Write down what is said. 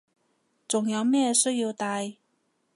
仲有咩需要戴